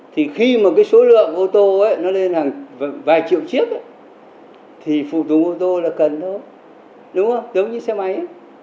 tối lượng ô tô lên vài triệu chiếc phụ tùng ô tô là cần thôi giống như xe máy